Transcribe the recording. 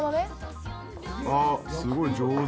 ああすごい上手。